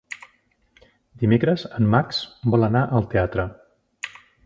Dimecres en Max vol anar al teatre.